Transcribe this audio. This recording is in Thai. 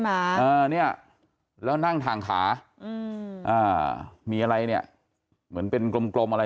มาเออเนี่ยแล้วนั่งทางขาอืมอ่ามีอะไรเนี่ยเหมือนเป็นกลมกลมอะไร